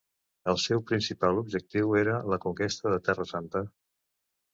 El seu principal objectiu era la conquesta de Terra Santa.